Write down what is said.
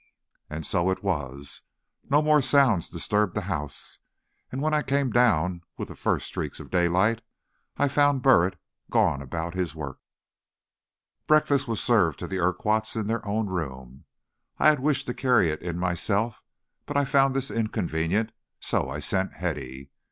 And so it was. No more sounds disturbed the house, and when I came down, with the first streak of daylight, I found Burritt gone about his work. Breakfast was served to the Urquharts in their own room. I had wished to carry it in myself, but I found this inconvenient, and so I sent Hetty.